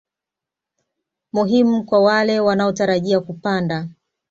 muhimu kwa wale wanaotarajia kupanda